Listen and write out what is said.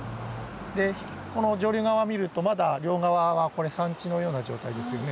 この上流側見るとまだ両側は山地のような状態ですよね。